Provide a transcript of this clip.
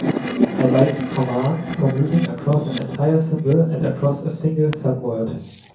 I bind commands for moving across an entire symbol and across a single subword.